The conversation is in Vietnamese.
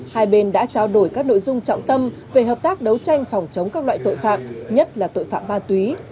hai bên đã trao đổi các nội dung trọng tâm về hợp tác đấu tranh phòng chống các loại tội phạm nhất là tội phạm ma túy